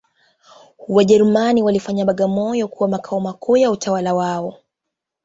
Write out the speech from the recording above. Wajerumani waliifanya bagamoyo kuwa makao makuu ya utawala wao